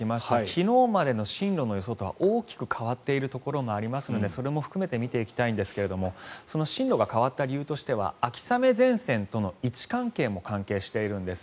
昨日までの進路の予想とは大きく変わっているところがありますのでそれも含めて見ていきたいんですがその進路が変わった理由としては秋雨前線との位置関係も関係しているんです。